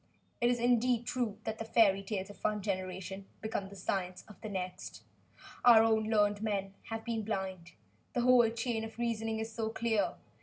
It is indeed true that the fairy tales of one generation become the science of the next. Our own learned men have been blind. The whole chain of reasoning is so clear.